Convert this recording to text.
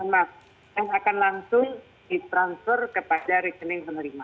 dan yang akan langsung ditransfer kepada rekening penerima